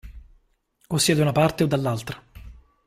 O si è da una parte o dall'altra.